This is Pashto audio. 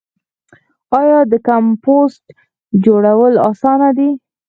آیا د کمپوسټ جوړول اسانه دي؟